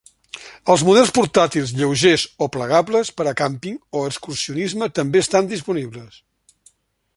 Els models portàtils lleugers o plegables per a càmping o excursionisme també estan disponibles.